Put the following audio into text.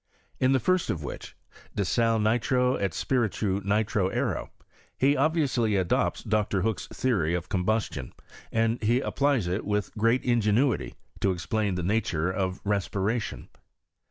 In the first of which, De Sal nitro et Spiritu nitro aereo, he obviously adopts Dr. Hook's tlioory of ctimbuelion, and he applies it with great infTunuity to explain the nature of respiration.